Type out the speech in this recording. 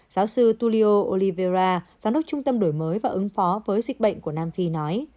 giáo sư tulio olivera giám đốc trung tâm đổi mới và ứng phó với dịch bệnh của nam phi nói